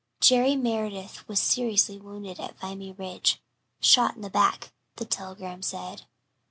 Jerry Meredith was seriously wounded at Vimy Ridge shot in the back, the telegram said.